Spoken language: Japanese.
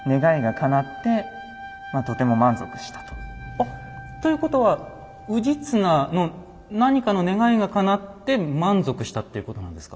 あっ！ということは氏綱の何かの願いがかなって満足したっていうことなんですか？